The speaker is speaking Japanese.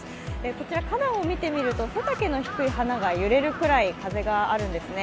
こちら花壇を見てみると背丈の低い花が揺れるぐらい風があるんですね。